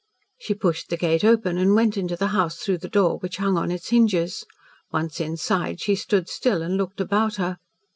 She pushed the gate open, and went into the house through the door which hung on its hinges. Once inside, she stood still and looked about her.